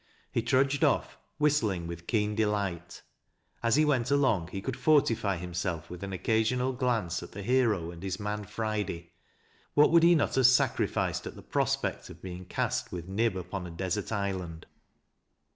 He trudged off, whistling with keen delight. As he went along he could fortify himself with an occasional glance at the hero and his man Friday. What would he not have sacrificed at the prospect of being cast with Nib upon a desert island